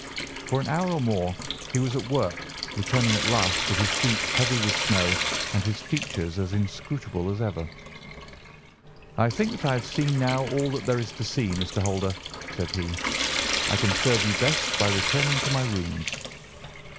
For an hour or more he was at work, returning at last with his feet heavy with snow and his features as inscrutable as ever. "I think that I have seen now all that there is to see, Mr. Holder," said he; "I can serve you best by returning to my rooms."